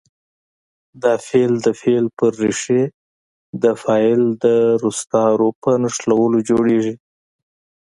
دا فعل د فعل په ریښې د فاعل د روستارو په نښلولو جوړیږي.